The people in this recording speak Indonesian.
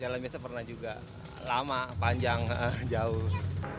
dalam biasa pernah juga lama panjang jauh